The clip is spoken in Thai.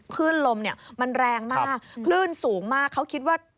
คลื่นลมเนี่ยมันแรงมากคลื่นสูงมากเขาคิดว่า